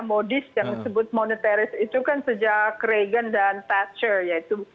modis yang disebut monetaris itu kan sejak reagan dan tatcher yaitu